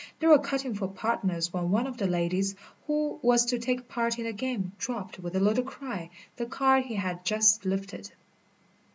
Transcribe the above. They were cutting for partners when one of the ladies who was to take part in the game dropped with a little cry the card she had just lifted.